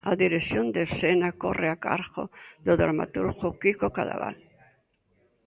A dirección de escena corre a cargo do dramaturgo Quico Cadaval.